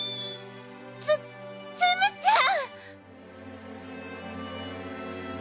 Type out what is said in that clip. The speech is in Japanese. ツツムちゃん！？